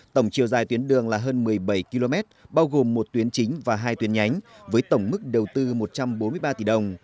tổng chiều dài tuyến đường là hơn một mươi bảy km bao gồm một tuyến chính và hai tuyến nhánh với tổng mức đầu tư một trăm bốn mươi ba tỷ đồng